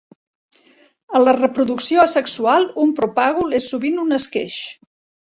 A la reproducció asexual, un propàgul és, sovint, un esqueix.